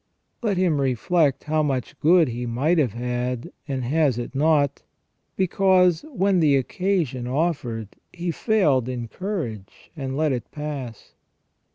Let him reflect how much good he might have had, and has it not, because, when the occasion offered, he failed in courage and let it pass.